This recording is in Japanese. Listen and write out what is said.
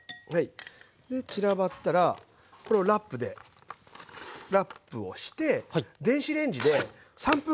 で散らばったらこれをラップでラップをして電子レンジで３分ぐらい加熱しておきます。